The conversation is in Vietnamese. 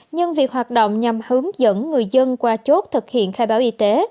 nhưng việc hoạt động nhằm hướng dẫn người dân qua chốt thực hiện khai báo y tế